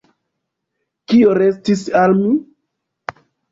Kio restis al mi?